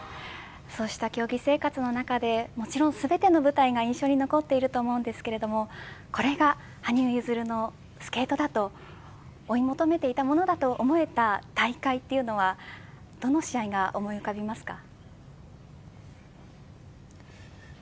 そうした競技生活の中でもちろん全ての舞台が印象に残っていると思うんですけどこれが羽生結弦のスケートだと追い求めていたものだと思えた大会というのはどの試合が思い浮かびますか。